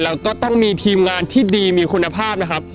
แล้วก็ต้องมีทีมงานที่ดีมีคุณภาพนะครับ